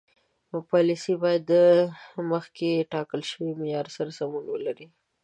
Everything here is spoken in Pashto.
پالیسي باید د مخکې ټاکل شوي معیار سره سمون ولري.